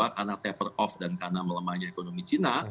karena taper off dan karena melemahnya ekonomi china